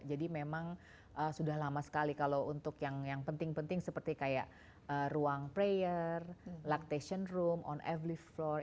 jadi memang sudah lama sekali kalau untuk yang penting penting seperti kayak ruang prayer lactation room on every floor